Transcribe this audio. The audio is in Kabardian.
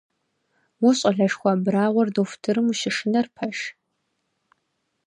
Уэ щӏалэшхуэ абрагъуэр дохутырым ущышынэр пэж?